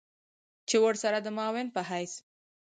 چې ورسره د معاون په حېث